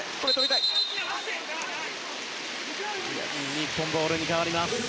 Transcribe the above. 日本ボールに変わります。